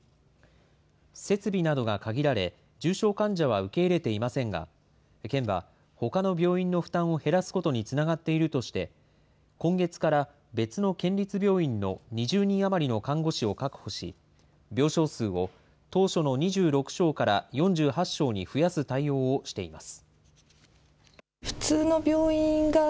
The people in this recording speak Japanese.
設備などが限られ、重症患者は受け入れていませんが、県は、ほかの病院の負担を減らすことにつながっているとして、今月から、別の県立病院の２０人余りの看護師を確保し、病床数を当初の２６床から４８床に増やす対応をしています。